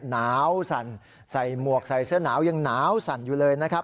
หนาวสั่นใส่หมวกใส่เสื้อหนาวยังหนาวสั่นอยู่เลยนะครับ